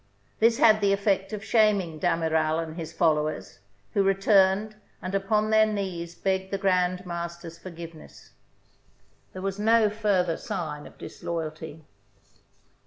This had the effect of shaming D'Amiral and his followers, who returned and upon their knees begged the Grand Master's for giveness. There was no further sign of disloyalty.